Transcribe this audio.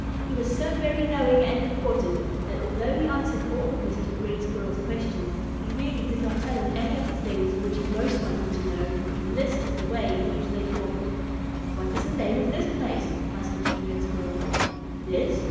He was so very knowing and important that, although he answered all of Mr. Red Squirrel's questions, he really did not tell him any of the things which he most wanted to know, and this is the way in which they talked: "What is the name of this place?" asked Mr. Red Squirrel. "This?